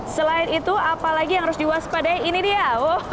selain itu apalagi yang harus diwaspadai ini dia